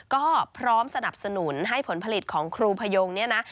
ก็พร้อมสนับสนุนให้ผลผลิตของครูพยงเนี่ยนะ